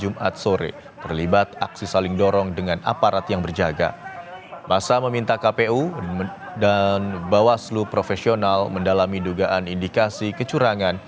masa meminta kpu dan bawaslu profesional mendalami dugaan indikasi kecurangan